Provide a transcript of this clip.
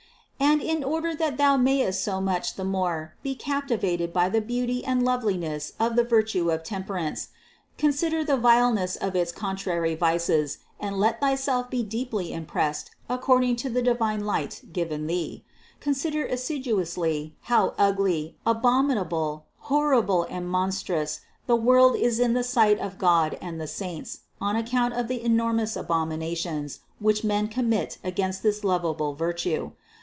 598. And in order that thou mayest so much the more be captivated by the beauty and loveliness of the virtue of temperance, consider the vileness of its contrary vices and let thyself be deeply impressed according to the divine light given thee; consider assiduously how ugly, abom inable, horrible and monstrous the world is in the sight of God and the saints on account of the enormous abom inations, which men commit against this lovable virtue.